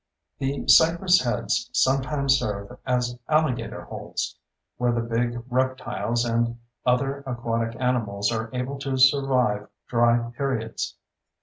The cypress heads sometimes serve as alligator holes, where the big reptiles and other aquatic animals are able to survive dry periods.